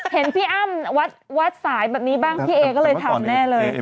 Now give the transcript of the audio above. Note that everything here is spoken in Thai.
เห็นพี่อ้ำวัดสายแบบนี้บ้างพี่เอก็เลยทำแน่เลย